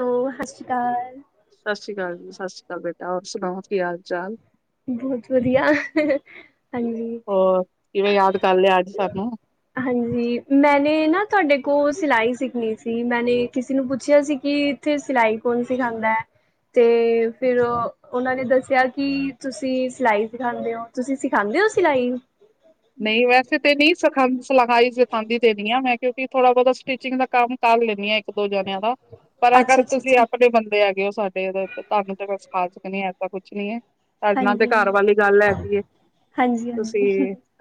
Hello ਸਤਿ ਸ਼੍ਰੀ ਅਕਾਲ। ਸਤਿ ਸ਼੍ਰੀ ਅਕਾਲ ਜੀ, ਸਤਿ ਸ਼੍ਰੀ ਅਕਾਲ ਬੇਟਾ, ਹੋਰ ਸੁਣਾਓ ਕੀ ਹਾਲ ਚਾਲ? ਬਹੁਤ ਵਧੀਆ ਹਾਂਜੀ। ਹੋਰ ਕਿਵੇਂ ਯਾਦ ਕਰ ਲਿਆ ਅੱਜ ਸਾਨੂੰ? ਹਾਂਜੀ ਮੈਨੇ ਨਾ ਤੁਹਾਡੇ ਕੋਲ ਸਿਲਾਈ ਸਿੱਖਣੀ ਸੀ ਮੈਂਨੇ ਨਾ ਕਿਸੇ ਨੂੰ ਪੁੱਛਿਆ ਸੀ ਕਿ। ਉੱਥੇ ਸਿਲਾਈ ਕੌਣ ਸਿਖਾਉਂਦਾ ਹੈ ਤੇ। ਫਿਰ ਅੱਛਾ। ਉਹਨਾਂ ਨੇ ਦੱਸਿਆ ਕਿ ਤੁਸੀਂ ਸਿਲਾਈ ਸਿਖਾਉਂਦੇ ਹੋ ਤੁਸੀਂ ਸਿਖਾਉਂਦੇ ਹੋ ਸਿਲਾਈ। ਨਹੀਂ ਵੈਸੇ ਤੇ ਨਹੀਂ ਸਿਖਾ ਸਿਲਾਈ ਸਿਖਾਦੀ ਤੇ ਨਹੀ ਆ ਮੈਂ ਕਿਉਂਕਿ ਥੋੜਾ ਬਹੁਤਾ ਸਟਿਚਿੰਗ ਦਾ ਕੰਮ ਕਰ ਲੈਂਣੀ ਹਾਂ। ਇਕ ਦੋ ਜਣਿਆਂ ਦਾ ਪਰ ਅੱਛਾ ਅਗਰ ਅੱਛਾ ਤੁਸੀਂ ਅੱਛਾ ਆਪਣੇ ਬੰਦੇ ਆ। ਉਹ ਸਾਡੇ ਉਹਦੇ ਧਾਰਮਿਕ ਤੇ ਸੰਥਾਨ ਏਸਾ ਕੁਛ ਨੀ ਹੈ। ਸਾਡੇ ਨਾਲ ਹਾਂਜੀ ਦੇ ਘਰ ਹਾਂਜੀ ਵਾਲੀ ਗੱਲ ਹੈਗੀ ਏ। ਹਾਂਜੀ ਤੁਸੀਂ ਹਾਂਜੀ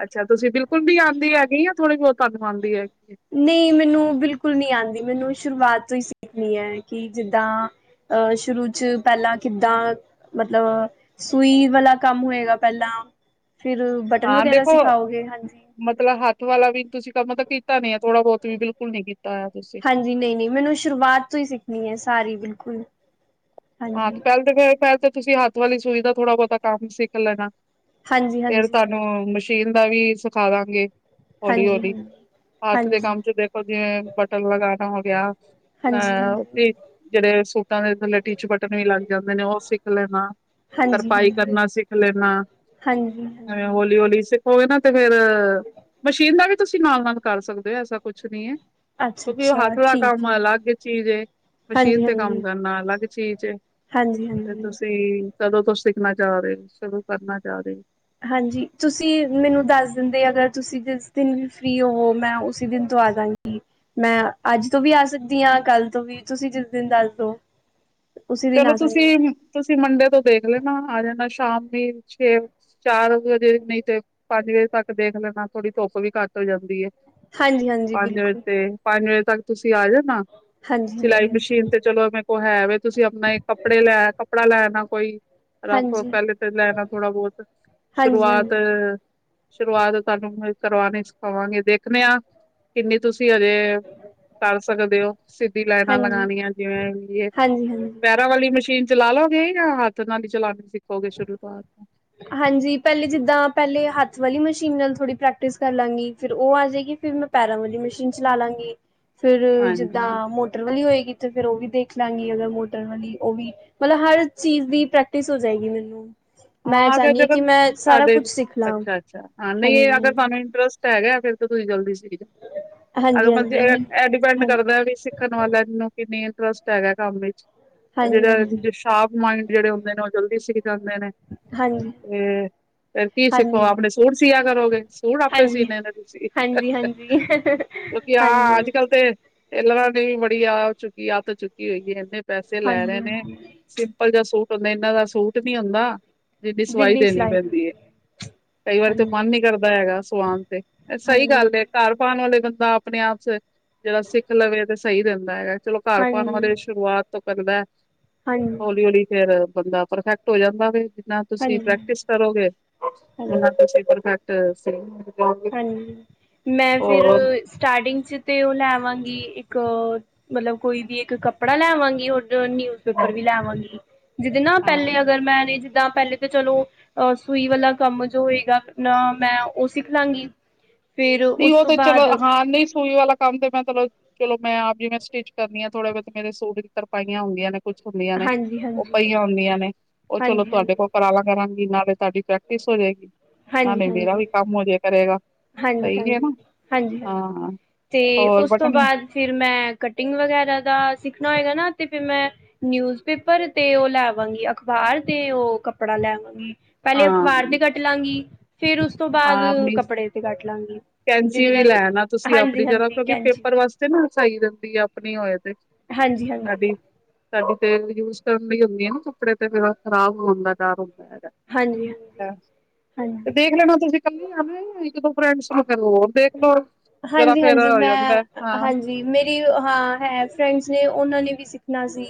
ਅੱਛਾ। ਤੁਸੀਂ ਬਿਲਕੁਲ ਵੀ ਆਉਂਦੀ ਹੈਗੀ ਆ। ਥੋੜੀ ਬਹੁਤ ਤੁਹਾਨੂੰ ਆਉਂਦੀ ਹੈਗੀ। ਇੱਥੇ ਨਹੀਂ ਮੈਨੂੰ ਬਿਲਕੁਲ ਨਹੀਂ ਆਉਂਦੀ। ਮੈਨੂੰ ਸ਼ੁਰੂਆਤ ਤੋਂ ਹੀ ਸਿੱਖਣੀ ਹੈ ਕਿ ਜਿੱਦਾਂ। ਅਹ ਸ਼ੁਰੂ ਚ ਪਹਿਲਾਂ ਕਿੱਦਾਂ ਮਤਲਬ ਸੂਈ ਵਾਲਾ ਕੰਮ ਹੋਏਗਾ ਪਹਿਲਾਂ ਫਿਰ ਬਟਨ ਹਾਂ ਵਗੈਰਾ ਦੇਖੋ ਸਿਖਾਓਗੇ ਹਾਂਜੀ ਮਤਲਬ ਹੱਥ ਵਾਲਾ ਵੀ ਤੁਸੀਂ ਕੰ ਮਤਲਬ ਕੀਤਾ ਨੀ ਹੈ। ਥੋੜਾ ਬਹੁਤ ਵੀ ਬਿਲਕੁਲ ਨੀ ਕੀਤਾ ਹੋਇਆ ਤੁਸੀਂ। ਹਾਂਜੀ। ਨਹੀਂ-ਨਹੀਂ ਮੈਨੂੰ ਸ਼ੁਰੂਆਤ ਤੋਂ ਹੀ ਸਿੱਖਣੀ ਹੈ ਸਾਰੀ ਬਿਲਕੁਲ। ਹਾਂ। ਹਾਂਜੀ ਤੇ ਪਹਿਲ ਤਾਂ ਫੇਰ ਪਹਿਲ ਤਾਂ ਤੁਸੀਂ ਹੱਥ ਵਾਲੀ ਸੂਈ ਦਾ ਥੋੜ੍ਹਾ ਬਹੁਤਾ ਕੰਮ ਸਿੱਖ ਲੈਣਾ। ਹਾਂਜੀ ਹਾਂਜੀ ਫਿਰ ਹਾਂਜੀ ਤੁਹਾਨੂੰ ਮਸ਼ੀਨ ਦਾ ਵੀ ਸਿਖਾ ਦਾਂਗੇ। ਹੌਲੀ ਹਾਂਜੀ -ਹੌਲੀ ਹੱਥ ਦੇ ਹਾਂਜੀ ਕੰਮ ਚ ਦੇਖ। ਜਿਵੇਂ ਬਟਨ ਲਗਾਣਾ ਹੋ ਗਿਆ। ਹਾਂਜੀ ਅਹ ਜਿਹੜੇ ਸੂਟਾਂ ਦੇ ਥੱਲੇ। ਟੀਚ ਬਟਨ ਵੀ ਲੱਗ ਜਾਂਦੇ ਨੇ ਉਹ ਸਿੱਖ ਲੈਣਾ। ਹਾਂਜੀ ਤਰਪਾਈ ਹਾਂਜੀ ਕਰਨਾ ਸਿੱਖ ਲੈਣਾ। ਹਾਂਜੀ ਹਾਂ। ਹੋਲ- ਹੋਲੀ‌ ਸਭ ਕੋਈ ਨਾ ਤੇ ਫੇਰ ਮਸ਼ੀਨ ਦਾ ਵੀ ਤੁਸੀਂ ਨਾਲ- ਨਾਲ ਕਰ ਸਕਦੇ ਹੋ। ਐਸਾ ਕੁਛ ਨਹੀਂ ਹੈ। ਅੱਛਾ ਕਿਉਂਕਿ ਉਹ ਅੱਛਾ ਹੱਥ ਦਾ ਠੀਕ ਕੰਮ ਹੈ ਅਲੱਗ ਚੀਜ਼ ਏ, ਮਸ਼ੀਨ ਹਾਂਜੀ ਤੇ ਕੰਮ ਹਾਂਜੀ ਕਰਨਾ ਅਲੱਗ ਚੀਜ ਏ। ਹਾਂਜੀ ਬਿਲਕੁਲ ਹਾਂਜੀ ਸਹੀ, ਤੁਸੀਂ ਕਦੋਂ ਤੋਂ ਸਿੱਖਣਾ ਚਾਹ ਰਹੇ ਹੋ। ਕਦੋਂ ਕਰਨਾ ਚਾਹ ਰਹੇ ਹੋ। ਹਾਂਜੀ। ਤੁਸੀਂ ਮੈਨੂੰ ਦੱਸ ਦਿੰਦੇ, ਅਗਰ ਤੁਸੀਂ ਜਿਸ ਦਿਨ ਵੀ ਫਿਰ ਹੋਵੋ ਮੈਂ ਉਸ ਦਿਨ ਤੋਂ ਆ ਜਾਂਵਾਂਗੀ। ਮੈਂ ਅੱਜ ਤੋਂ ਵੀ ਆ ਸਕਦੀ ਹਾਂ। ਕੱਲ ਤੋਂ ਵੀ, ਤੁਸੀਂ ਜਿਸ ਦਿਨ ਦੱਸ ਦਿਓ। ਚਲੋ ਤੁਸੀਂ- ਤੁਸੀਂ ਮੰਡੇ ਤੋਂ ਦੇਖ ਲੈਣਾ। ਆ ਜਾਣਾ ਸ਼ਾਮੀ ਛੇ ਚਾਰ ਵਜੇ ਨਹੀਂ ਤੇ, ਪੰਜ ਵਜੇ ਤੱਕ ਦੇਖ ਲੈਣਾ। ਥੋੜੀ ਧੁੱਪ ਵੀ ਘੱਟ ਹੋ ਜਾਂਦੀ ਹੈ। ਹਾਂਜੀ ਹਾਂਜੀ ਪੰਜ ਵਜੇ ਬਿਲਕੁਲ ਤੇ ਪੰਜ ਵਜੇ ਤੱਕ ਤੁਸੀਂ ਆ ਜੋ। ਹੂੰ। ਹਾਂਜੀ ਸਿਲਾਈ ਹਾਂਜੀ ਹਾਂਜੀ ਮਸ਼ੀਨ ਤੇ ਚਲੋ ਐਵੇਂ ਕੋਲ ਹੈ ਵੇ ਤੁਸੀਂ ਆਪਣਾ ਕੱਪੜੇ ਲੈ ਕੱਪੜਾ ਲੈ ਅਨਾ ਕੋਈ। ਰਫ ਹਾਂਜੀ ਪਹਿਲੇ ਤਾਂ ਲੈਣਾ ਥੋੜ੍ਹਾ ਬਹੁਤ ਸ਼ੁਰੂਆਤ ਹਾਂਜੀ ਸ਼ੁਰੂਆਤ ਤੁਹਾਨੂੰ ਕਰਵਾਉਣੀ ਸਿਖਾਵਾਂਗੇ, ਦੇਖਣੇ ਆਂ। ਕਿੰਨੀ ਤੁਸੀਂ ਹਜੇ ਕਰ ਸਕਦੇ ਹੋ। ਸਿੱਧੀ ਲਾਈਨਾਂ ਹਾਂਜੀ ਲਗਾਉਣੀਆਂ ਜਿਵੇਂ ਵੀ ਹਾਂਜੀ ਹਾਂਜੀ ਪੈਰਾਂ ਵਾਲੀ ਮਸ਼ੀਨ ਚਲਾ ਲੋਗੇ ਜਾਂ ਹੱਥ ਨਾਲ ਹੀ ਚਲਾਉਣੀ ਸਿੱਖੋਗੇ ਸ਼ੁਰੂ ਤੋਂ ਹਾਂਜੀ ਪਹਿਲੇ ਜਿੱਦਾਂ। ਪਹਿਲੇ ਹੱਥ ਵਾਲੀ ਮਸ਼ੀਨ ਨਾਲ ਥੋੜ੍ਹੀ ਪ੍ਰੈਕਟਿਸ ਕਰ ਲਾਂਗੀ। ਫਿਰ ਉਹ ਆ ਜਾਏਗੀ ਫਿਰ ਮੈਂ ਪੈਰਾਂ ਵਾਲੀ ਮਸ਼ੀਨ ਚਲਾ ਲਾਂਗੀ। ਫੇਰ ਹਾਂਜੀ ਜਿੱਦਾਂ ਮੋਟਰ ਨੀ ਹੋਏਗੀ ਤੇ, ਫੇਰ ਉਹ ਵੀ ਦੇਖ ਲਾਂਗੇ ਅਗਰ ਮੋਟਰ ਵਾਲੀ ਉਹ ਵੀ। ਮਤਲਬ ਹਰ ਚੀਜ਼ ਦੀ ਪ੍ਰੈਕਟਿਸ ਹੋ ਜਾਏਗੀ ਮੈਨੂੰ। ਮੈਂ ਹਾਂ ਅਗਰ ਚਾਹੁੰਦੀ ਜਦੋਂ ਕਿ ਮੈਂ ਸਾਰਾ ਤੁਹਾਡੇ, ਕੁਛ ਸਿੱਖ ਲਾਂ ਅੱਛਾ-ਅੱਛਾ ਹਾਂ ਨਹੀਂ ਅਗਰ ਹਾਂਜੀ ਤਾਨੂੰ ਇੰਟਰਸਟ‌ ਤਾਂ ਹੈਗਾ ਫਿਰ ਤੁਸੀ ਜਲਦੀ ਸੀਗੀ ਤੇ। ਹਾਂਜੀ ਅਗਰ ਬੰਦੇ ਹਾਂਜੀ ਮੈਨੂੰ ਇਹ ਡਿਪੈਂਡ ਹਾਂਜੀ ਕਰਦਾ ਵੇ ਸੀ ਦੇਖਣ ਵਾਲਿਆਂ ਨੂੰ ਕਿੰਨੀ ਇੰਟਰਸਟ ਹੈਗਾ ਕੰਮ ਵਿੱਚ ਹਾਂਜੀ ਜਿਹੜਾ ਹਾਂਜੀ ਸ਼ਾਰਪ ਮਾਇੰਡ ਜਿਹੜੇ ਹੁੰਦੇ ਨੇ, ਉਹ ਜਲਦੀ ਸਿੱਖ ਜਾਂਦੇ ਨੇ ਹਾਂਜੀ ਤੇ ਫਿਰ ਕੀ ਸਿੱਖੋਗੇ। ਹਾਂਜੀ ਆਪਣੇ ਸੂਟ ਸੀਆ ਕਰੋਗੇ, ਸੂਟ ਆਪੇ ਹਾਂਜੀ ਸੀਨੇ ਨੇ ਤੁਸੀ। ਹਾਂਜੀ ਹਾਂਜੀ ਕਿਉਂਕਿ ਆਹ ਹਾਂਜੀ ਹਾਂਜੀ ਅੱਜ ਕੱਲ ਤੇ ਟੇਲਰਾਂ ਨੇ ਵੀ ਬੜੀ ਆ ਚੁੱਕੀ ਅੱਤ ਚੁੱਕੀ ਹੋਈ ਹੈ ਇਹਨੇ ਪੈਸੇ ਲੈਣੇ ਨੇ ਹਾਂਜੀ ਸਿੰਪਲ ਜਿਹਾ ਸੂਟ, ਇਹਨਾਂ ਦਾ ਸੂਟ ਨਹੀਂ ਹੁੰਦਾ। ਉਨੀ ਸਵਾਈ ਜਿੰਨੀ ਦੇਣੀ ਸਿਲਾਈ ਪੈਂਦੀ ਏ। ਕਈ ਵਾਰੀ ਤੇ ਮਨ ਹਾਂਜੀ ਨੀ ਕਰਦਾ ਹੈਗਾ ਸਵਾਨ ਤੇ, ਸਹੀ ਹਾਂਜੀ ਗੱਲ ਹੈ ਘਰ ਪਾਉਣ ਵਾਲੇ ਬੰਦਾ। ਆਪਣੇ ਆਪ ਚ ਜਿਹੜਾ ਸਿੱਖ ਲਵੇ ਤੇ ਸਹੀ ਰਹਿੰਦਾ ਏ। ਚਲੋ ਘਰ ਹਾਂਜੀ ਪਾਣ ਵਾਲੇ ਦੀ ਸ਼ੁਰੂਆਤ ਤੋਂ ਕਰਦਾ ਐ। ਹਾਂਜੀ। ਹੌਲੀ -ਹੌਲੀ ਫੇਰ ਬੰਦਾ ਪਰਫੈਕਟ ਹੋ ਜਾਂਦਾ ਵੇ। ਤੁਸੀਂ ਹਾਂਜੀ ਪ੍ਰੈਕਟਿਸ ਕਰੋ ਗਏ, ਹਾਂਜੀ ਤੁਸੀਂ ਪਰਫੈਕਟ ਸੀਓ ਗੇ। ਹਾਂਜੀ ਮੈਂ ਫਿਰ। ਸਟਾਰਟਿੰਗ ਚ ਤੇ ਉਹ ਲੈਵਾਂਗੀ ਇੱਕ ਮਲਬ ਕੋਈ ਵੀ ਇੱਕ ਕੱਪੜਾ ਲੈਵਾਂਗੀ [unintelligible] ਨਿਊਜ਼ਪੇਪਰ ਵੀ ਲੈਆਵਾਂਗੀ ਜਿਦੇ ਨਾ ਹਾਂ ਪਹਿਲੇ ਅਗਰ ਮੈਂ ਨੇ ਜਿੱਦਾਂ ਪਹਿਲੇ ਤਾਂ ਚਲੋ। ਅਹ ਸਈ ਵਾਲਾ ਕੰਮ ਜੋ ਹੋਏਗਾ, ਨਾ ਮੈਂ ਉਹ ਸਿੱਖ ਲਾਂਗੀ। ਫਿਰ ਨਹੀਂ ਉਸ ਉਹ ਤੋਂ ਤੇ ਚਲੋ ਬਾਅਦ ਹਾਂ ਨਹੀਂ ਸੂਈ ਵਾਲਾ। ਕੰਮ ਤੇ ਮੈਂ ਚਲੋ- ਚਲੋ ਮੈਂ ਆਪ ਈ ਮੈਂ ਸਟਿਚ ਕਰਨੀ ਆਂ ਥੋੜ੍ਹੇ ਬਹੁਤ ਮੇਰੇ ਸੂਟ ਦੀ ਤਰਪਾਈਆਂ ਹੁੰਦੀਆਂ ਨੇ। ਕੁਛ ਹੁੰਦੀਆਂ ਨੇ ਹਾਂਜੀ ਉਹ ਹਾਂਜੀ ਪਈਆਂ ਹੁੰਦੀਆਂ ਨੇ ਉਹ ਚਲੋ ਹਾਂਜੀ ਤੁਹਾਡੇ ਹਾਂਜੀ ਕੋਲ। ਕਰਾਲਾ ਕਰਾਂਗੀ ਨਾਲੇ ਤੁਹਾਡੀ ਪ੍ਰੈਕਟਿਸ ਹੋ ਜਾਏਗੀ ਨਾਲੇ ਮੇਰਾ ਵੀ ਕੰਮ ਹੋ ਜਾੇ ਕਰੇਗਾ। ਸਹੀ ਹੈ ਨਾ ਹਾਂਜੀ-ਹਾਂਜੀ, ਹਾਂਜੀ-ਹਾਂਜੀ, ਹਾਂ ਤੇ ਹੋਰ ਉਸ ਤੋਂ ਬਟਨ ਹਾਂ ਬਾਅਦ। ਫਿਰ, ਮੈਂ ਕਟਿੰਗ ਵਗੈਰਾ ਦਾ, ਸਿੱਖਣਾ ਹੋਏਗਾ ਨਾ ਤੇ ਫਿਰ ਮੈਂ ਨਿਊਜ਼ ਪੇਪਰ, ਤੇ ਉਹ ਲੈਆਵਾਂਗੀ ਅਖ਼ਬਾਰ, ਤੇ ਉਹ ਕੱਪੜਾ ਲੈਆਵਾਂਗੀ। ਪਹਿਲੇ, ਅਖ਼ਬਾਰ ਤੇ ਹਾਂ ਕੱਟ ਲਾਂਗੀ। ਫੇਰ ਉਸ, ਤੋਂ ਬਾਅਦ ਕੱਪੜੇ ਤੇ ਕੱਟ ਲਾਂਗੀ। ਕੈਂਚ ਜਿਹਦੇ ਵੀ ਨਾਲ ਲੈਆਣਾ, ਤੁਸੀਂ ਆਪਣੀ ਜਰਾ ਹਾਂਜੀ-ਹਾਂਜੀ ਕਿਉਂਕਿ, ਕੈਂਚੀ ਪੇਪਰ ਵਾਸਤੇ ਨਾ, ਸਾਈ ਜਾਦੀ ਆ ਆਪਣੀ ਹੋਏ, ਤੇ ਹਾਂਜੀ-ਹਾਂਜੀ, ਹਾਂਜੀ-ਹਾਂਜੀ, ਸਾਡੀ [unintelligible] ਤੇ ਯੂਜ ਕਰਨ ਦੀ ਹੁੰਦੀ ਹੈ। ਨਾ ਕੱਪੜੇ ਤੇ ਫਿਰ ਖਰਾਬ ਹੋਣ ਦਾ ਡਰ ਹੁੰਦਾ ਹੈਗਾ। ਹਾਂਜੀ। ਹਾਂਜੀ ਤੇ ਹਾਂਜੀ ਦੇਖ ਲੈਣਾ, ਤੁਸੀਂ ਕੱਲੇ ਆ ਫੇ, ਇੱਕ-ਦੋ ਫਰੈਂਡਸ ਨੂੰ ਕਰਲੋ ਹੋਰ। ਦੇਖਲੋ, ਜਰਾ ਫੇਰ ਹਾਂਜੀ-ਹਾਂਜੀ ਹੋ ਮੈਂ ਜਾਂਦਾ ਐ, ਹਾਂ। [unintelligible] ਹਾਂ, ਹੈ ਫਰੈਂਡਸ ਨੇ, ਉਹਨਾਂ ਨੇ ਵੀ ਸਿੱਖਣਾ ਸੀ,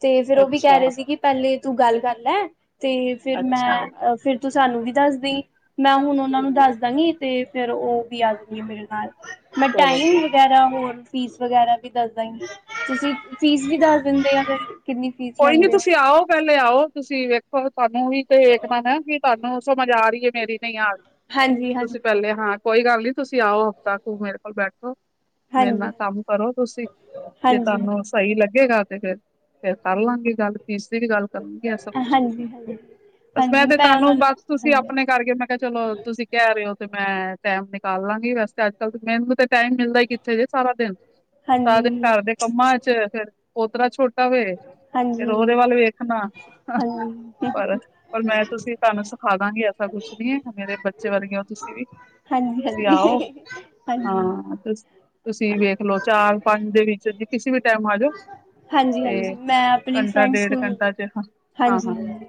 ਤੇ ਫੇਰ ਉਹ ਵੀ ਕਹਿ ਅੱਛਾ ਰਹੇ ਸੀ ਕਿ ਪਹਿਲੇ ਤੂੰ, ਗੱਲ ਕਰ ਲੈ, ਤੇ, ਫਿਰ ਮੈਂ, ਅੱਛਾ ਆ ਫਿਰ ਤੂੰ, ਸਾਨੂੰ ਵੀ ਦੱਸਦੀ। ਮੈਂ ਹੁਣ ਓਨਾ ਨੂੰ ਦੱਸ ਦਾਂਗੀ। ਤੇ ਫੇਰ ਉਹ ਵੀ ਆਜੁਗੀ ਮੇਰੇ ਨਾਲ। ਚਲੋ ਚਲੋ ਮੈਟਾਈਮਿੰਗ, ਵਗੈਰਾ ਹੋਰ, ਫੀਸ ਵਗੈਰਾ ਵੀ ਦੱਸਦਾਗੀ, ਤੁਸੀਂ ਫੀਸ ਵੀ ਦੱਸ ਦਿੰਦੇ ਆ ਫਿਰ ਕਿੰਨੀ। ਫੀਸ ਕੋਈ ਨੀ ਲੈਂਦੇ ਹੋ? ਤੁਸੀਂ ਆਓ, ਪਹਿਲੇ ਆਓ ਤੁਸੀਂ ਵੇਖੋ ਤੁਹਾਨੂੰ ਵੀ ਤੇ ਖਨਾ ਵੀ ਤੁਹਾਨੂੰ ਸਮਝ ਆ ਰਹੀ। ਮੇਰੀ ਨਹੀਂ ਆ ਰਹੀ ਹਾਂਜੀ-ਹਾਂਜੀ, ਤੁਸੀਂ, ਪਹਿਲੇ ਹਾਂ ਕੋਈ ਗੱਲ ਨਹੀਂ ਤੁਸੀਂ ਆਓ ਹਫ਼ਤਾ ਕੁ ਮੇਰੇ ਕੋਲ ਬੈਠੋ। ਮੇਰੇ ਨਾ ਹਾਂਜੀ, ਹਾਂਜੀ, ਕੰਮ ਕਰੋ ਤੁਸੀਂ, ਜੇ ਹਾਂਜੀ, ਤੁਹਾਨੂੰ ਹਾਂਜੀ। ਸਹੀ ਲੱਗੇਗਾ ਤੇ ਫਿਰ ਫਿਰ ਕਰ ਲਾਂਗੇ ਗੱਲ, ਫੀਸ ਦੀ ਵੀ ਗੱਲ। ਕਰਨੂੰ ਜੀ ਐਸਾ ਕੁਝ ਨੀ ਹਾਂਜੀ ਹਾਂਜੀ ਬਸ ਮੈਂ, ਹਾਂਜੀ ਤੇ ਤੁਹਾਨੂੰ ਉਹਨਾਂ ਨੂੰ ਬਸ ਤੁਸੀਂ ਹਾਂਜੀ, ਆਪਣੇ ਕਰਕੇ ਮੈਂ। ਚਲੋ, ਤੁਸੀਂ ਕਹਿ ਰਹੇ ਹੋ ਤੇ ਮੈਂ, ਟੈਮ ਨਿਕਾਲ ਲਾਂਗੀ ਵੈਸੇ ਤਾ ਅੱਜ ਕੱਲ ਮੈਨੂੰ ਤੇ ਟੈਮ ਮਿਲਦਾ ਹੀ ਉਥੇ ਜੇ ਸਾਰਾ ਦਿਨ, ਸਾਰਾ ਦਿਨ ਹਾਂਜੀ। ਘਰ ਦੇ ਕੰਮਾਂ ਚ, ਫਿਰ ਪੋਤਰਾ ਛੋਟਾ ਵੇ। ਹਾਂਜੀ ਫਿਰ ਉਹਦੇ ਵੱਲ ਵੇਖਨਾ, ਹਾਂਜੀ ਪਰ-ਪਰ ਮੈਂ ਤੁਸੀਂ ਤੁਹਾਨੂੰ ਸਿਖਾ ਦਾਂਗੀ ਕੁਛ ਨੀ ਏ, ਮੇਰੇ ਬੱਚੇ ਵਾਰੇਗੇ ਹੋ, ਤੁਸੀਂ ਵੀ। ਹਾਂਜੀ ਹਾਂਜੀ ਤੁਸੀਂ ਆਓ, ਹਾਂਜੀ ਹਾਂਜੀ ਹਾਂ ਤੁਸੀਂ ਵੇਖ ਲੋ ਚਾਰ-ਪੰਜ ਦੇ ਵਿੱਚ ਜੀ ਕਿਸੇ ਵੀ ਟੈਮ ਆ ਜਾਓ, ਹਾਂਜੀ ਤੇ ਹਾਂਜੀ ਮੈਂ ਆਪਣੀ ਘੰਟਾ ਫਰੈਂਡਸ ਡੇਢ ਨੂੰ ਘੰਟਾ ਚ ਹ, ਹਾਂਜੀ ਹਾਂ-ਹਾਂ ਹਾਂਜੀ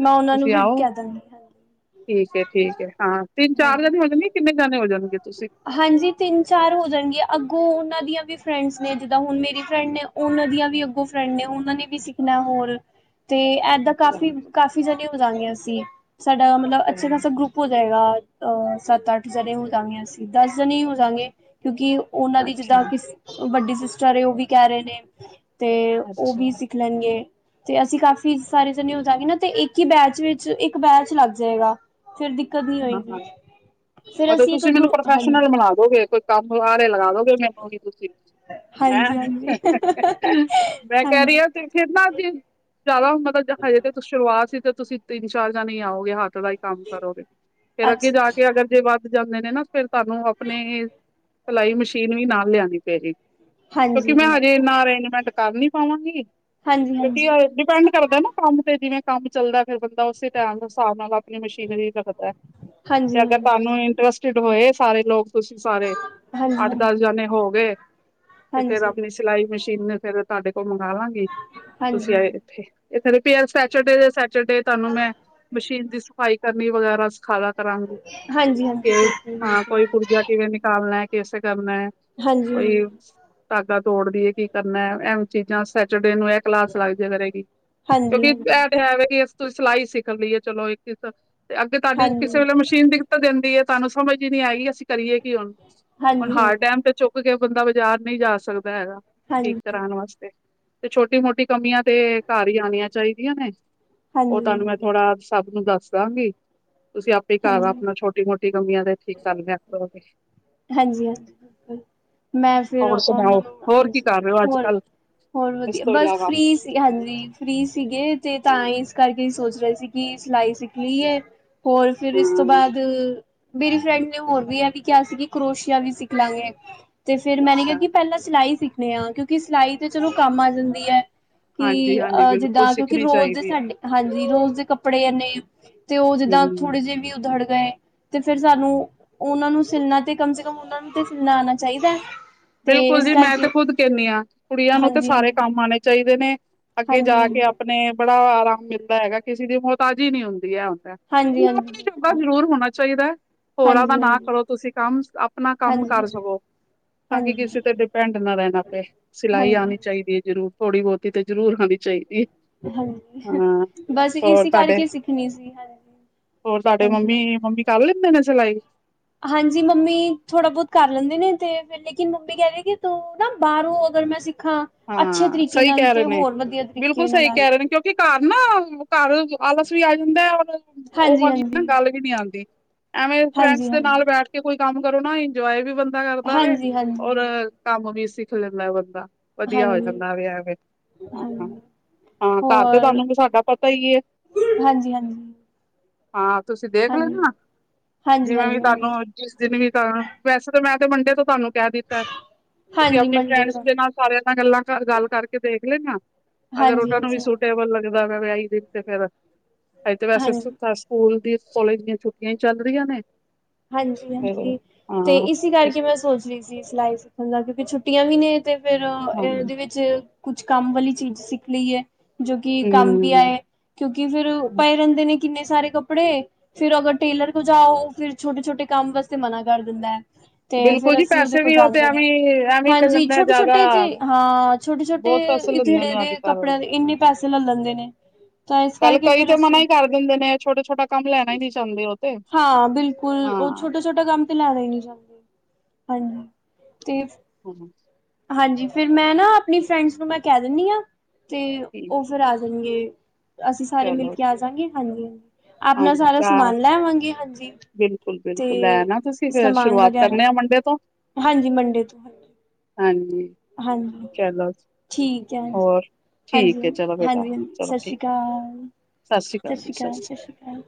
ਮੈਂ ਉਹਨਾਂ ਨੂੰ ਵੀ ਆਓ। ਕਹਿ ਦਾਂਗੀ ਹਾਂਜੀ ਠੀਕ ਹੈ, ਠੀਕ ਹੈ ਹਾਂ ਤਿੰਨ-ਚਾਰ ਹਾਂਜੀ ਜਣੇ ਹੋ ਜੋਗੇ ਕਿੰਨੇ ਜਾਣੇ ਹੋ, ਜਾਣਗੇ ਤੁਸੀਂ? ਹਾਂਜੀ, ਤਿੰਨ- ਚਾਰ ਹੋ ਜਾਣਗੇ। ਅੱਗੋਂ ਉਹਨਾਂ, ਦੀਆਂ ਵੀ ਫਰੈਂਡਸ ਨੇ, ਜਿੱਦਾਂ ਹੁਣ ਮੇਰੀ ਫਰੈਂਡ ਨੇ, ਉਹਨਾਂ, ਦੀਆਂ ਵੀ ਅੱਗੋਂ ਫਰੈਂਡ ਨੇ, ਉਹਨਾਂ ਨੇ ਵੀ, ਸਿੱਖਣਾ ਹੋਰ, ਤੇ ਏਦਾਂ, ਅੱਛਾ ਕਾਫੀ-ਕਾਫੀ ਜਣੇ ਹੋ ਜਾਂਗੇ ਅਸੀਂ। ਸਾਡਾ ਮਤਲਬ, ਅੱਛਾ ਚਲੋ ਖਾਸਾ ਗਰੁੱਪ। ਹੋ ਜਾਏਗਾ। ਅ ਸੱਤ- ਅੱਠ ਜਣੇ ਹੋ ਜਾਂਗੇ, ਅਸੀਂ ਦਸ ਜਣੇ ਹੀ ਜਾਂਗੇ। ਕਿਉਂਕਿ ਉਹਨਾਂ ਦੀ ਅੱਛਾ ਜਿੱਦਾਂ, ਕਿ, ਵੱਡੀ ਸਿਸਟਰ ਏ ਉਹ ਵੀ ਕਹਿ ਰਹੇ ਨੇ ਤੇ, ਉਹ ਅੱਛਾ ਵੀ [unintelligible] ਤੇ ਅਸੀਂ, ਕਾਫੀ ਸਾਰੇ ਜਾਣੇ ਹੋ ਜਾਗੇ ਨਾ ਤੇ, ਇੱਕ ਈ ਬੈਚ ਵਿੱਚ, ਇੱਕ ਬੈਚ ਲੱਗ ਜਾਏਗਾ। ਫੇਰ ਦਿੱਕਤ ਨੀ ਹੋਏਗੀ। ਫੇਰ, ਅਸੀਂ ਤੁਈ, ਮੈਨੂੰ ਗਰੁ ਹਾਂਜੀ ਪ੍ਰੋਫੈਸ਼ਨਲ ਬਣਾਦੋਗੇ। ਕੋਈ ਕੰਮ ਆਰੇ ਲਗਾ ਦੋਗੇ ਮੈਨੂੰ ਵੀ ਤੁਸੀਂ। ਹੈਂ, ਹਾਂਜੀ-ਹਾਂਜੀ, ਮੈਂ ਕਹਿ ਰਹੀ ਹਾਂਜੀ, ਹਾਂ। ਤੇ ਕਿੰਨਾ ਚਿਰ, ਜ਼ਿਆਦਾ ਮਤਲ, ਜ ਹਜੇ ਤੇ ਸ਼ੁਰੂਆਤ ਸੀ। ਤੇ, ਤੁਸੀਂ ਤਿੰਨ-ਚਾਰ ਜਣੇ ਈ ਆਓਗੇ ਹੱਥ ਦਾ ਈ ਕੰਮ ਕਰੋਗੇ, ਫੇਰ ਅੱਗੇ ਅੱਛਾ ਜਾ ਕੇ, ਅਗਰ। ਜੇ ਵੱਧ ਜਾਂਦੇ ਨੇ ਨਾ, ਫਿਰ ਤੁਹਾਨੂੰ ਆਪਣੇ ਸਿਲਾਈ ਮਸ਼ੀਨ ਵੀ, ਨਾਲ ਲਿਆਣੀ ਪਏਗੀ। ਕਿਉਂਕਿ, ਹਾਂਜੀ, ਮੈਂ ਹਾਂਜੀ। ਹਜੇ ਇੰਨਾ ਅਰੇਂਜਮੈਂਟ ਕਰ ਨੀ ਪਾਵਾਂਗੀ। ਕਿਉਂਕਿ, ਹਾਂਜੀ-ਹਾਂਜੀ, [unintelligible] ਕਰਦੈ ਨਾ ਕੰਮ ਤੇ, ਜਿਵੇਂ ਕੰਮ ਚੱਲਦਾ। ਫਿਰ, ਬੰਦਾ ਉਸੇ ਟੈਮ ਹਿਸਾਬ ਨਾਲ, ਆਪਣੀ ਮਸ਼ੀਨਰੀ ਰੱਖਦਾ। ਤੇ, ਹਾਂਜੀ-ਹਾਂਜੀ, ਅਗਰ ਹਾਂਜੀ-ਹਾਂਜੀ, ਤੁਹਾਨੂੰ ਇੰਟਰਸਟਡ ਹੋਏ, ਸਾਰੇ ਲੋਕ। ਤੁਸੀਂ ਸਾਰੇ ਅੱਠ ਦਸ ਜਾਣੇ ਹੋ ਗਏ। ਤੇ ਫੇਰ ਹਾਂਜੀ। ਆਪਣੀ ਸਿਲਾਈ ਮਸ਼ੀਨ ਫੇਰ ਤੁਹਾਡੇ ਕੋਲੋ ਮੰਗਾਵਾਂਗੀ, ਤੁਸੀਂ ਹਾਂਜੀ, ਆਏ ਇੱਥੇ ਇਧਰ। ਫੇਰ ਸੈਟਰਡੇ ਦੇ ਸੈਟਰਡੇ, ਤੁਹਾਨੂੰ ਮੈਂ ਮਸ਼ੀਨ ਦੀ ਸਫਾਈ ਕਰਨੀ ਵਗੈਰਾ ਸਿਖਾਦਾਂ ਕਰਾਂਗੀ ਹਾਂਜੀ-ਹਾਂਜੀ, ਤੇ ਬਿਲਕੁਲ-ਬਿਲਕੁਲ, ਕੋਈ ਪੁਰਜਾ ਕਿਵੇਂ ਨਿਕਾਲਣਾ ਐ, ਕੈਸੇ ਕਰਨਾ ਐ ਇਹ। ਹਾਂਜੀ-ਹਾਂਜੀ। ਧਾਗਾ ਤੋੜਦੀਏ ਕੀ ਕਰਨਾ, ਐਹ ਚੀਜ਼ਾਂ ਸੈਟਰਡੇ ਨੂੰ ਕਲਾਸ ਲੱਗਜਾ ਕਰੇਗੀ, ਕਿਉਂਕਿ ਇਹ ਹਾਂਜੀ-ਹਾਂਜੀ, ਤਾਂ ਹੈਗਾ ਈ, ਤੁਸੀਂ ਸਿਲਾਈ ਸਿੱਖ ਲਈਏ, ਚਲੋ ਇੱਕ- ਇੱਕ ਤੁਹਾਡੀ ਹਾਂਜੀ, ਕਿਸੇ ਵੇਲੇ ਮਸ਼ੀਨ ਦਿੱਕਤ ਦਿੰਦੀ ਹੈ ਏ, ਤੁਹਾਨੂੰ ਸਮਝ ਹੀ ਨਹੀਂ ਆਏਗੀ, ਅਸੀਂ ਕਰੀਏ ਕੀ ਹੁਣ। ਹੁਣ ਹਾਂਜੀ-ਹਾਂਜੀ, ਹਰ ਟੈਮ ਤੇ ਚੁੱਕ ਕੇ ਬੰਦਾ ਬਾਜ਼ਾਰ ਨਹੀਂ ਜਾ ਸਕਦਾ ਹੈਗਾ, ਠੀਕ ਹਾਂਜੀ, ਕਰਾਣ ਵਾਸਤੇ। ਤੇ ਛੋਟੀ ਮੋਟੀ ਕਮੀਆਂ ਤੇ ਘਰ ਹੀ ਆਣੀਆਂ ਚਾਹੀਦੀਆਂ ਨੇ, ਉਹ ਹਾਂਜੀ, ਤੁਹਾਨੂੰ ਮੈਂ ਥੋੜਾ ਸਭ ਨੂੰ ਦੱਸ ਦਾਂਗੀ। ਤੁਸੀਂ ਆਪਣੇ ਘਰ ਹਾਂਜੀ। ਆਪਣਾ ਛੋਟੀ- ਮੋਟੀ ਕਮੀਆਂ ਤੇ ਠੀਕ ਕਰ ਲਿਆ ਕਰੋੋਗੇ। ਹਾਂਜੀ-ਹਾਂਜੀ, ਬਿਲਕੁਲ। ਮੈਂ ਫਿਰ ਹੋਰ ਉਹਨਾਂ ਸੁਣਾਓ ਨੂੰ, ਹੋਰ ਕੀ ਹਾਂਜੀ, ਕਰ ਰਹੇ ਹੋ ਅੱਜ ਹੋਰ- ਕੱਲ ਹੋਰ ਇਸ ਵਧੀਆ, ਤੋਂ ਬਸ ਇਲਾਵਾ ਫਰੀ ਸੀ। ਹਾਂਜੀ ਫ੍ਰੀ ਸੀਗੇ, ਤੇ ਤਾਂ ਇਸ ਕਰਕੇ ਸੋਚ ਰਹੇ ਸੀ, ਕਿ ਸਿਲਾਈ ਸਿੱਖ ਲਈਏ। ਹੋਰ ਫਿਰ ਇਸ ਤੋਂ ਹਾਂ ਬਾਅਦ ਮੇਰੀ ਫਰੈਂਡ ਨੇ ਹੋਰ ਵੀ ਇਹ ਵੀ ਕਿਹਾ ਸੀ, ਕਿ ਕਰੋਸ਼ੀਆ ਵੀ ਸਿੱਖ ਲਾਂਗੇ। ਤੇ ਫੇਰ ਮੈਂਨੇ ਕਿਹਾ ਅੱਛਾ ਕਿ ਪਹਿਲਾਂ ਸਿਲਾਈ ਸਿੱਖਣੇ ਆ, ਕਿਉਂਕਿ ਸਿਲਾਈ ਤੇ ਚਲੋ ਕੰਮ ਆ ਜਾਂਦੀ ਐ। ਹਾਂਜੀ ਕੀ ਹਾਂਜੀ ਅ ਬਿਲਕੁਲ ਜਿੱਦਾਂ, ਕਿਉਂਕਿ ਸਿੱਖਣੀ ਰੋਜ਼ ਦੇ ਚਾਹੀਦੀ ਸਾਡੇ ਹਾਂਜੀ, ਰੋਜ਼ ਦੇ ਕੱਪੜੇ ਐਨੇ। ਤੇ ਉਹ ਹੈ ਜਿੱਦਾਂ ਹਮ ਵੀ ਉਧੜ ਗਏ। ਤੇ ਫਿਰ ਸਾਨੂੰ ਉਹਨਾਂ ਨੂੰ ਸਿਲਣਾ, ਤੇ ਕਮ ਸੇ ਕਮ ਉਹਨਾਂ ਨੂੰ ਤੇ ਸਿਲਣਾ ਆਣਾ ਚਾਹੀਦਾ। ਤੇ ਬਿਲਕੁਲ ਇਸ ਜੀ, ਮੈਂ ਕਰਕੇ ਤੇ ਖੁਦ ਕਹਿਣੀ ਆਂ, ਕੁੜੀਆਂ ਨੂ ਤੇ ਹਾਂਜੀ ਸਾਰੇ ਹਾਂਜੀ ਕੰਮ ਆਣੇ ਚਾਹੀਦੇ ਨੇ। ਅੱਗੇ ਹਾਂਜੀ ਜਾ ਕੇ ਹਾਂਜੀ ਆਪਣੇ ਬੜਾ ਆਰਾਮ ਮਿਲਦਾ ਹੈਗਾ, ਕਿਸੀ ਦੀ ਮੁਹਤਾਜ ਈ ਨਹੀਂ ਹੁੰਦੀ ਐ ਐਂ ਹੁੰਦਾ। ਹਾਂਜੀ ਬੰਦਾ ਹਾਂਜੀ ਆਪਣੇ ਜੋਗਾ ਬਿਲਕੁਲ ਜ਼ਰੂਰ ਹੋਣਾ ਚਾਹੀਦਾ ਐ। ਹੋਰਾਂ ਦਾ ਹਾਂਜੀ ਨਾ ਹਾਂਜੀ ਕਰੋ, ਤੁਸੀਂ ਕੰਮ ਆਪਣਾ ਕੰਮ ਹਾਂਜੀ ਕਰ ਹਾਂਜੀ ਸਕੋ। ਤਾਂ ਕੀ ਕਿਸੇ ਤੇ ਡਿਪੈਂਡ ਨਾ ਰਹਿਣਾ ਪਏ, ਸਿਲਾਈ ਹਾਂਜੀ ਆਣੀ ਚਾਹੀਦੀ ਐ ਜ਼ਰੂਰ, ਥੋੜ੍ਹੀ ਬਹੁਤ। ਕਿਤੇ ਜ਼ਰੂਰ ਆਣੀ ਚਾਹੀਦੀ ਐ। ਹਾਂਜੀ, ਬਸ ਇਸੀ ਤੁਹਾਡੇ ਕਰਕੇ ਸਿੱਖਣੀ ਸੀ, ਹਾਂਜੀ। ਹੋਰ, ਸਾਡੇ ਹਾਂਜੀ ਮੰਮੀ-ਮੰਮੀ ਕਰ ਲੈਂਦੇ ਨੇ ਸਿਲਾਈ। ਹਾਂਜੀ, ਮੰਮੀ ਥੋੜ੍ਹਾ ਬਹੁਤ ਕਰ ਲੈਂਦੇ ਨੇ, ਤੇ ਫਿਰ ਲੇਕਿਨ ਮੰਮੀ ਕਹਿੰਦੇ ਕਿ ਤੂੰ ਨਾ ਬਾਹਰੋਂ ਅਗਰ ਮੈਂ ਸਿੱਖਾਂ ਅੱਛੇ ਹਾਂ, ਤਰੀਕੇ ਸਹੀ ਨਾਲ ਕਹਿ ਤੇ ਰਹੇ ਨੇ। ਹੋਰ ਵਧੀਆ ਬਿਲਕੁਲ ਤਰੀਕੇ ਨਾਲ ਸਹੀ ਆ ਕਹਿ ਰਹੇ ਸਕ ਨੇ, ਕਿਉਂਕਿ ਘਰ ਨਾ ਘਰ ਆਲਸ ਵੀ ਆ ਜਾਂਦਾ ਐ, ਔਰ ਹਾਂਜੀ-ਹਾਂਜੀ। ਨਹੀਂ ਆਂਦੀ, ਐਵੇਂ ਫਰੈਂਡਸ ਦੇ ਨਾਲ ਬੈਠ ਕੇ ਕੋਈ ਕੰਮ ਕਰੋ ਨਾ ਇੰਜੋਏ ਵੀ ਬੰਦਾ ਕਰਦਾ ਵੇ, ਹਾਂਜੀ ਔਰ ਹਾਂਜੀ ਕੰਮ ਵੀ ਸਿੱਖ ਲੈਂਦਾ ਐ ਬੰਦਾ। ਵਧੀਆ ਹੋ ਹਾਂਜੀ ਜਾਂਦਾ ਵੇ ਐਵੇਂ, ਹਾਂ। ਹਾਂਜੀ ਹਾਂ, ਘਰ ਹੋਰ ਤੁਹਾਨੂੰ ਵੀ ਸਾਡਾ ਪਤਾ ਈ ਏ। ਹਾਂਜੀ ਹਾਂਜੀ ਹਾਂ, ਤੁਸੀਂ ਦੇਖ ਹਾਂਜੀ ਲੈਂਦੇ ਨਾ, ਹਾਂਜੀ ਜਿਵੇਂ ਵੀ ਹਾਂਜੀ ਮੰਡੇ ਤੁਹਾਨੂੰ ਜਿਸ ਦਿਨ ਵੀ ਤਹਾਨੂੰ, ਵੈਸੇ ਤਾਂ ਮੈਂ ਤੇ ਮੰਡੇ ਤੋਂ ਤੁਹਾਨੂੰ ਕਹਿ ਦਿੱਤਾ, ਤੁਸੀਂ ਹਾਂਜੀ ਆਪਣੀ ਮੰਡੇ ਫਰੈਂਡਸ ਤੋਂ ਦੇ ਨਾਲ ਸਾਰਿਆਂ ਨਾਲ ਗੱਲਾਂ ਗੱਲ ਕਰਕੇ ਦੇਖ ਲੈਣਾ, ਅਗਰ ਹਾਂਜੀ ਉਹਨਾਂ ਨੂੰ ਵੀ ਹਾਂਜੀ ਸੁੂਟ ਟੇਬਲ ਲੱਗਦਾ ਪਿਆ ਈ ਫਿਰ ਤੇ ਫਿਰ, ਫਿਰ ਤੇ ਬਸ ਸੁ ਹਾਂਜੀ ਸਕੂਲ ਦੀ, ਕੋਲਜ ਦੀਆਂ ਛੁੱਟੀਆਂ ਚੱਲ ਰਹੀਆਂ ਨੇ। ਹਾਂਜੀ- ਫਿਰ ਹਾਂਜੀ ਤੇ ਹਾਂ ਇਸੀ ਕਰਕੇ ਮੈਂ ਸੋਚ ਰਹੀ ਸੀ ਸਿਲਾਈ ਸਿੱਖਣ ਦਾ, ਕਿਉਂਕਿ ਛੁੱਟੀਆਂ ਵੀ ਨੇ। ਤੇ ਫੇਰ ਹਾਂਜੀ ਇਹਦੇ ਵਿੱਚ, ਕੁਛ ਕੰਮ ਵਾਲੀ ਚੀਜ਼ ਸਿੱਖ ਲਈਏ। ਜੋ ਕਿ ਕੰਮ ਵੀ ਹੂੰ ਆਏ, ਕਿਉਂਕਿ ਫੇਰ ਪਏ ਰਹਿੰਦੇ ਨੇ ਕਿੰਨੇ ਸਾਰੇ ਕੱਪੜੇ, ਫੇਰ ਅਗਰ ਟੇਲਰ ਕੋਲ ਜਾਓ, ਫਿਰ ਛੋਟੇ- ਛੋਟੇ ਕੰਮ ਵਾਸਤੇ ਮਨਾ ਕਰ ਦਿੰਦਾ ਐ। ਤੇ ਬਿਲਕੁਲ ਫੇਰ ਜੀ ਅਸੀਂ ਉਹਦੇ ਪੈਸੇ ਕੋਲ ਵੀ ਉਹ ਤੇ ਜਾਂਦੇ ਨੀ, ਐਵੇਂ ਐਵੇਂ ਲੈ ਹਾਂਜੀ, ਲੈਂਦੇ ਛੋਟੇ- ਜ਼ਿਆਦਾ ਛੋਟੇ ਜੇ, ਹਾਂ। ਛੋਟੇ ਬਹੁਤ ਪੈਸੇ -ਛੋਟੇ ਲੈਂਦੇ ਜੇੜੇ ਨੇ ਅੱਜ ਦੇ ਕੱਲ ਕੱਪੜਿਆਂ ਦੇ ਇੰਨੇ ਪੈਸੇ ਲੈ ਲੈਂਦੇ ਨੇ। ਤਾਂ ਇਸ ਪਹਿਲੇ ਕਰਕੇ ਕਈ ਫੇਰ ਤੇ ਮਨਾ ਅਸੀਂ। ਹੀ ਕਰ ਦਿੰਦੇ ਨੇ ਛੋਟਾ- ਛੋਟਾ ਕੰਮ ਲੈਣਾ ਨੀ ਚੁੰਹਾਦੇ। ਹਾਂ, ਬਿਲਕੁਲਉਹ ਛੋਟੇ ਛੋਟਾ ਕੰਮ ਤੇ ਲੈਦਾ ਹੀ ਨਹੀਂ ਜਾਂਦੀ ਹਾਂਜੀ ਤੇ ਹਮ -ਹਮ। ਹਾਂਜੀ, ਫੇਰ ਮੈਂ ਨਾ ਆਪਣੀ ਫਰੈਂਡਸ ਨੂੰ ਮੈਂ ਕਹਿ ਦਿੰਦੀ ਹਾਂ ਤੇ ਠੀਕ ਉਹ ਹੈ ਫਿਰ ਆ ਹੁਣਗੇ ਅਸੀਂ ਸਾਰੇ ਮਿਲ ਚਲੋ ਕੇ ਆ ਜਾਗੇ। ਹਾਂਜੀ- ਹਾਂਜੀ। ਆਪਣਾ ਹਾਂਜੀ ਸਾਰਾ ਚਾਹ ਸਮਾਨ ਲੈਵਾਂਗੇ ਹਾਂਜੀ। ਬਿਲਕੁਲ ਤੇ ਬਿਲਕੁਲ ਲੈ ਨਾ ਤੁਸੀਂ ਫਿਰ ਸਮਾਨ ਸ਼ੁਰੂਆਤ ਵਗੈਰਾ ਕਰਨੇ ਆ ਮੰਡੇ ਤੋਂ ਹਾਂਜੀ ਮੰਡੇ ਤੋਂ। ਹਾਂਜੀ ਹਾਂਜੀ, ਚਲੋ ਠੀਕ ਹੈ। ਹੋਰ ਹਾਂਜੀ ਠੀਕ ਹੈ ਚਲੋ ਬੇਟਾ ਹਾਂਜੀ ਹਾਂਜੀ ਚਲੋ ਸਤਿ ਸ਼੍ਰੀ ਠੀਕ ਹੈ ਅਕਾਲ ਸਤਿ ਸ਼੍ਰੀ ਅਕਾਲ ਸਤਿ ਸ਼੍ਰੀ ਅਕਾਲ।